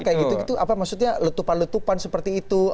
kayak gitu gitu apa maksudnya letupan letupan seperti itu